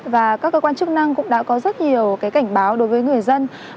và các cơ quan chức năng cũng đã có rất nhiều cảnh báo đối với người dân